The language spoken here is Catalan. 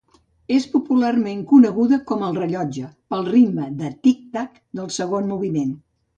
És popularment coneguda com El rellotge pel ritme de tic-tac del segon moviment.